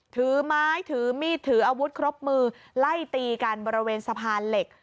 ถือไม้ถือมีดถืออาวุธครบมือไล่ตีกันบริเวณสะพานเหล็ก